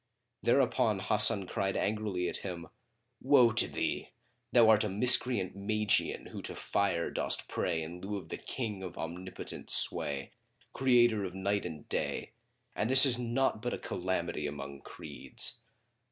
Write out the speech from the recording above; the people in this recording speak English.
Thereupon Hasan cried angrily at him, "Woe to thee! Thou art a miscreant Magian who to Fire dost pray in lieu of the King of Omnipotent sway, Creator of Night and Day; and this is naught but a calamity among creeds!"